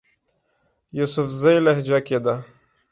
يوسفزئ لهجه کښې ده